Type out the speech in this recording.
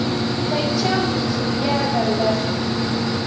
Kaychawmi tsukllata rurashaq.